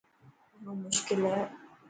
گھڻو مشڪل هي.